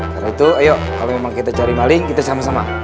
karena itu ayo kalau memang kita cari maling kita sama sama